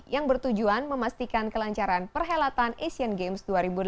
yang bertujuan memastikan kelancaran perhelatan asian games dua ribu delapan belas